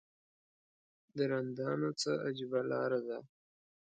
د رندانو څه عجیبه لاره ده.